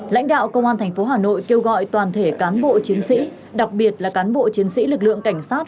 lãnh đạo công an tp hà nội kêu gọi toàn thể cán bộ chiến sĩ đặc biệt là cán bộ chiến sĩ lực lượng cảnh sát